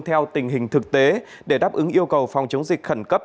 theo tình hình thực tế để đáp ứng yêu cầu phòng chống dịch khẩn cấp